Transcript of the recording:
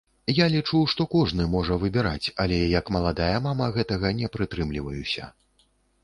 Я лічу, што кожны можа выбіраць, але, як маладая мама, гэтага не прытрымліваюся.